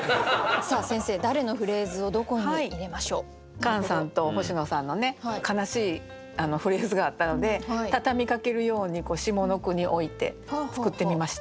カンさんと星野さんのね悲しいフレーズがあったので畳みかけるように下の句に置いて作ってみました。